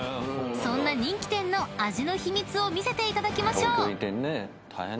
［そんな人気店の味の秘密を見せていただきましょう］